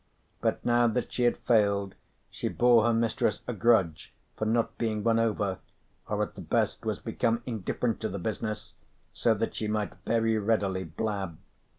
But now that she had failed she bore her mistress a grudge for not being won over, or at the best was become indifferent to the business, so that she might very readily blab.